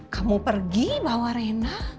kamu pergi bawa rena